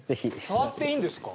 触っていいんですか？